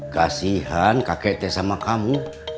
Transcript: kasihan kakek teh sama kamu